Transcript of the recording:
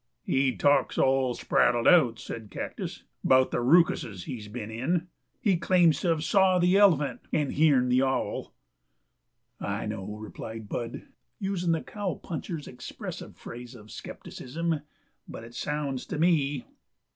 "He talks all spraddled out," said Cactus, "'bout the rookuses he's been in. He claims to have saw the elephant and hearn the owl." "I know," replied Bud, using the cowpuncher's expressive phrase of skepticism, "but it sounds to me!"